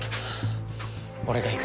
俺が行く。